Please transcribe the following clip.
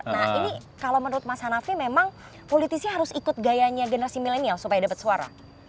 nah ini kalau menurut mas hanafi memang politisi harus ikut gayanya generasi milenial supaya dapat suara